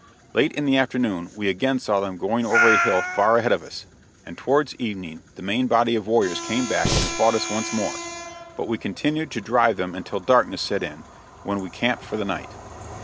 Late in the afternoon, we again saw them going over a hill far ahead of us, and towards evening the main body of warriors came back and fought us once more; but we continued to drive them until darkness set in, when we camped for the night.